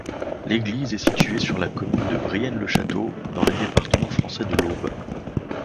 L'église est située sur la commune de Brienne-le-Château, dans le département français de l'Aube.